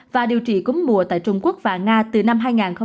và điều trị cúng mùa tại trung quốc và nga từ năm hai nghìn sáu